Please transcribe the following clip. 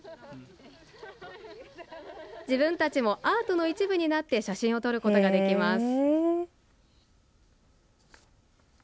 自分たちもアートの一部になって写真を撮ることができます。